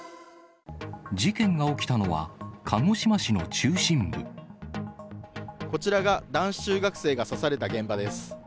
事件が起きたのは、鹿児島市の中こちらが男子中学生が刺された現場です。